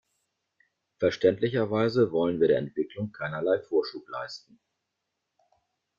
Verständlicherweise wollen wir der Entwicklung keinerlei Vorschub leisten.